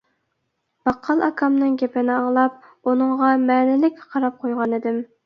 باققال ئاكامنىڭ گېپىنى ئاڭلاپ ئۇنىڭغا مەنىلىك قاراپ قويغانىدىم.